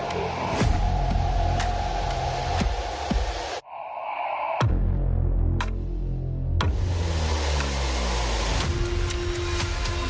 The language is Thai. อ้าวคุณผู้ชม